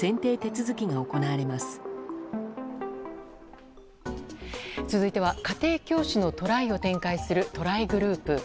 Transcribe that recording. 続いては家庭教師のトライを展開するトライグループ。